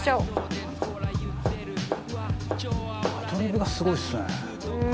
「アドリブがすごいですね」